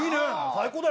最高だよ。